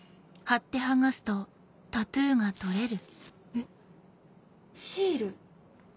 えっシール？